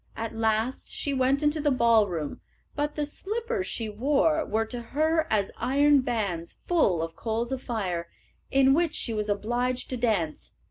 At last she went into the ballroom, but the slippers she wore were to her as iron bands full of coals of fire, in which she was obliged to dance.